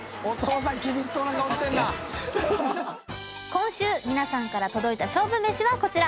今週皆さんから届いた勝負めしはこちら。